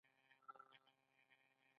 په دویم پړاو کې د مولده پانګې په توګه وه